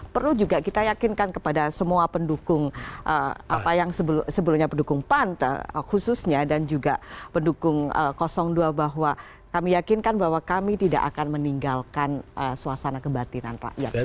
perlu juga kita yakinkan kepada semua pendukung apa yang sebelumnya pendukung pan khususnya dan juga pendukung dua bahwa kami yakinkan bahwa kami tidak akan meninggalkan suasana kebatinan rakyat